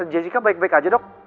jessica baik baik aja dok